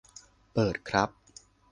เปิดครับ